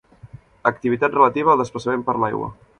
Activitat relativa al desplaçament per l'aigua.